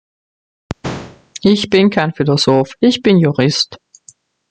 Ich bin kein Philosoph, ich bin Jurist.